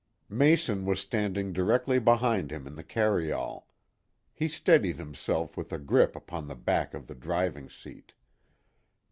Mason was standing directly behind him in the carryall. He steadied himself with a grip upon the back of the driving seat.